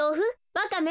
ワカメ？